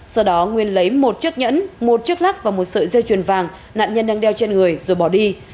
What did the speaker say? sau đó nguyên lấy một chiếc nhẫn một chiếc lắc và một sợi dây chuyền vàng nạn nhân đang đeo trên người rồi bỏ đi